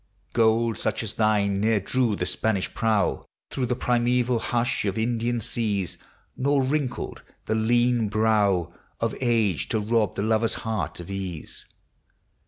Gold such as thine ne'er drew the Spanish prow Through the primeval hush of Indian seas; Nor wrinkled the lean brow Of age to rob the lover's heart of ease.